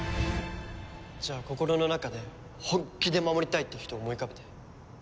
じゃあ心の中で本気で守りたいっていう人を思い浮かべて。